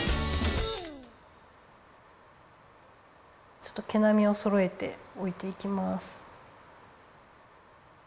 ちょっと毛なみをそろえておいていきます。